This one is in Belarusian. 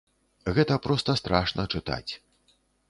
Гэта проста страшна чытаць.